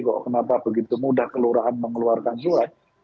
kok kenapa begitu mudah kelurahan mengeluarkan surat